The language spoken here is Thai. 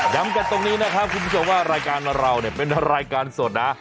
ย้ำกันตรงนี้นะคะคุณผู้ชมว่ารายการเราเป็นรายการสดนะ